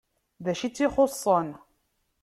D acu i tt-ixuṣṣen?